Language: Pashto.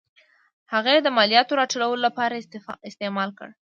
هغه یې د مالیاتو راټولولو لپاره استعمال کړ.